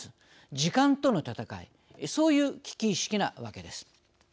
時間との闘いそういう危機意識なわけです。